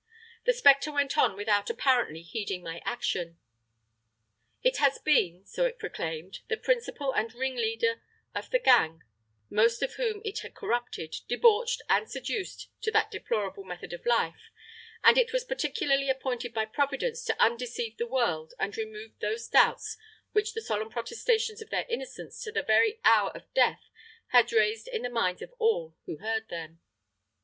"The spectre went on without apparently heeding my action. "'It had been,' so it proclaimed, 'the principal and ringleader of the gang, most of whom it had corrupted, debauched and seduced to that deplorable method of life, and it was particularly appointed by Providence to undeceive the world and remove those doubts which the solemn protestations of their innocence to the very hour of death had raised in the minds of all who heard them.